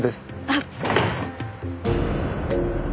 あっ。